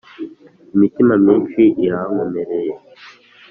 Imitima myinshi irankomereye :